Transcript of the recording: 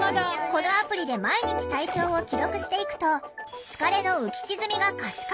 このアプリで毎日体調を記録していくと疲れの浮き沈みが可視化。